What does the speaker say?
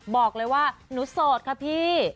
บอกเลยว่าหนูโสดค่ะพี่